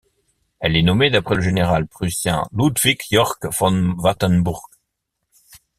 Elle est nommée d'après le général prussien Ludwig Yorck von Wartenburg.